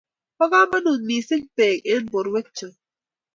Bo kamonut mising pek eng borwekcho